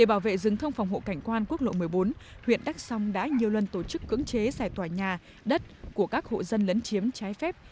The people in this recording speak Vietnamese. để bảo vệ rừng thông phòng hộ cảnh quan quốc lộ một mươi bốn huyện đắc song đã nhiều lần tổ chức cưỡng chế giải tỏa nhà đất của các hộ dân lấn chiếm trái phép